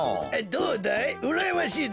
どうだい？